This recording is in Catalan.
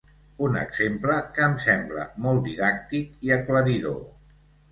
Un exemple que em sembla molt didàctic i aclaridor.